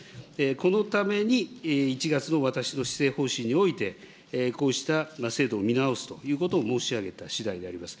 このために１月の私の施政方針において、こうした制度を見直すということを申し上げたしだいであります。